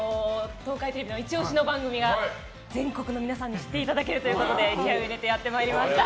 東海テレビイチ押しの番組が全国の皆さんに知っていただけるということで気合を入れてやってまいりました。